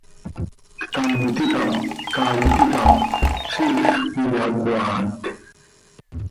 Ctam ticap caay ticap ziix cöiyacoaat.